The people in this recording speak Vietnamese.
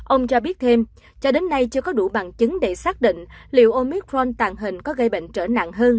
ông cho biết thêm cho đến nay chưa có đủ bằng chứng để xác định liệu omicron tàn hình có gây bệnh trở nặng hơn